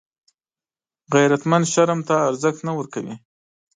غیرتمند شرم ته ارزښت ورکوي